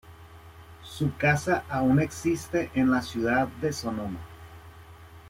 Su casa aún existe en la ciudad de Sonoma.